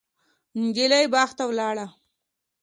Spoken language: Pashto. نجلۍ باغ ته ولاړه.